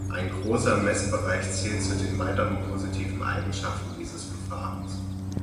Ein großer Messbereich zählt zu den weiteren positiven Eigenschaften dieses Verfahrens.